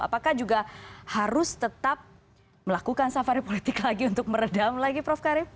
apakah juga harus tetap melakukan safari politik lagi untuk meredam lagi prof karim